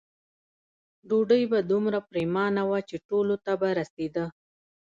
ډوډۍ به دومره پریمانه وه چې ټولو ته به رسېده.